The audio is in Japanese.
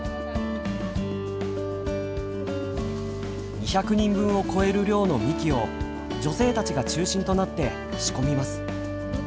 ２００人分を超える量のみきを女性たちが中心となって仕込みます。